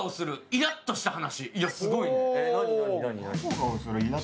イラッとした話。